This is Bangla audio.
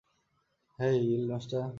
Hey, guild master!